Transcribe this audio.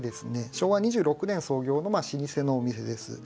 昭和２６年創業の老舗のお店です。